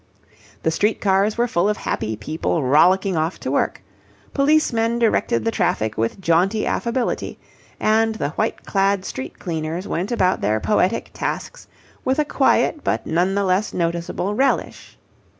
The street cars were full of happy people rollicking off to work: policemen directed the traffic with jaunty affability: and the white clad street cleaners went about their poetic tasks with a quiet but none the less noticeable relish.